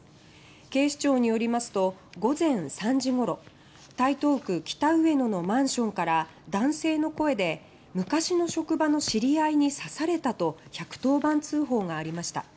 警視庁によりますと午前３時ごろ台東区北上野のマンションから男性の声で「昔の職場の知り合いに刺された」と１１０番通報がありました。